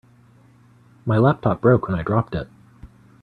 My laptop broke when I dropped it.